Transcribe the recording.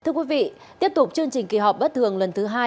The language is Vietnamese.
thưa quý vị tiếp tục chương trình kỳ họp bất thường lần thứ hai